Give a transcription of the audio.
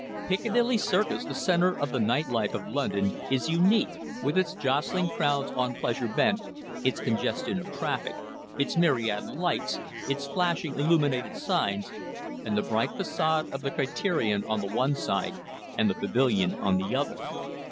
Piccadilly Circus, the centre of the night life of London, is unique, with its jostling crowds on pleasure bent, its congestion of traffic, its myriad lights, its flashing, illuminated signs, and the bright façade of the Criterion on the one side and the Pavilion on the other.